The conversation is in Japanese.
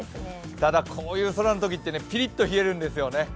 ただ、こういう空のときってピリッと冷えるんですよね。